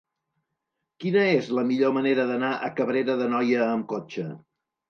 Quina és la millor manera d'anar a Cabrera d'Anoia amb cotxe?